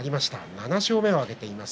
７勝目を挙げています。